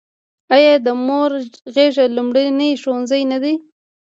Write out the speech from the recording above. آیا د مور غیږه لومړنی ښوونځی نه دی؟